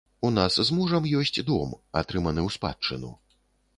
У нас з мужам ёсць дом, атрыманы ў спадчыну.